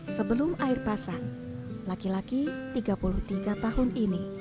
sebelum air pasang laki laki tiga puluh tiga tahun ini